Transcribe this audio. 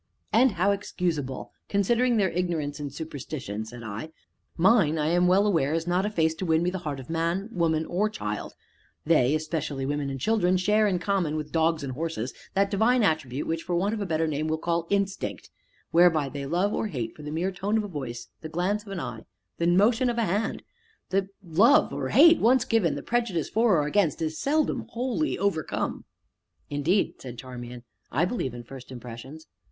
"And how excusable! considering their ignorance and superstition," said I. "Mine, I am well aware, is not a face to win me the heart of man, woman, or child; they (especially women and children) share, in common with dogs and horses, that divine attribute which, for want of a better name, we call 'instinct,' whereby they love or hate for the mere tone of a voice, the glance of an eye, the motion of a hand, and, the love or hate once given, the prejudice for, or against, is seldom wholly overcome." "Indeed," said Charmian, "I believe in first impressions."